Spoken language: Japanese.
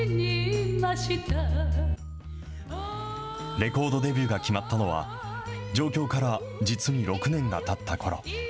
レコードデビューが決まったのは、上京から実に６年がたったころ。